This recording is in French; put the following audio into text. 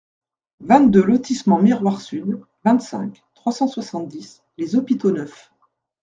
vingt-deux lotissement Miroir Sud, vingt-cinq, trois cent soixante-dix, Les Hôpitaux-Neufs